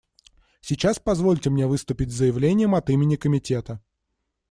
Сейчас позвольте мне выступить с заявлением от имени Комитета.